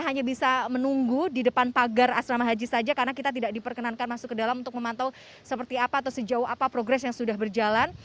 hanya bisa menunggu di depan pagar asrama haji saja karena kita tidak diperkenankan masuk ke dalam untuk memantau seperti apa atau sejauh apa progres yang sudah berjalan